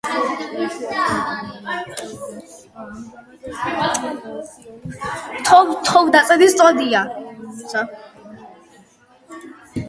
ერთ-ერთი პირველი მოაზროვნე, რომლის იდეებმა, რამდენიმე მიმართულებით, წინ გაუსწრო მეცნიერული სოციოლოგიის განვითარებას.